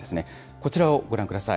こちらをご覧ください。